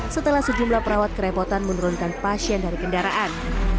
setelah sejumlah perawat kerepotan menurunkan pasien dari kendaraan